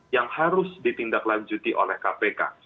yang harus ditindaklanjuti oleh kpk